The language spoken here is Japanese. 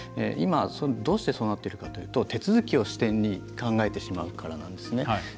今、どうしてそうなっているかというと手続きを支点に考えてしまうからなんですね。